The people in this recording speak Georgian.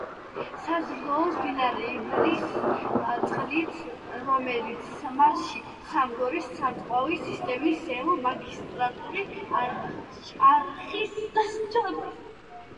საზრდოობს მდინარე ივრის წყლით, რომელიც მასში სამგორის სარწყავი სისტემის ზემო მაგისტრალური არხით ჩადის.